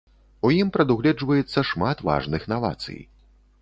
У ім прадугледжваецца шмат важных навацый.